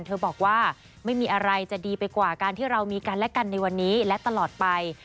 เธอบอกว่าไม่มีอะไรจะดีไปกว่าการที่เรามีกันและกันในวันนี้และตลอดไป